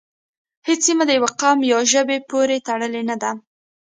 هیڅ سیمه د یوه قوم یا ژبې پورې تړلې نه ده